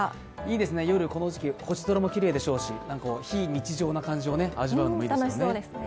いいですね、夜、この時期星空もきれいでしょうし、非日常な感じを味わうのもいいですよね。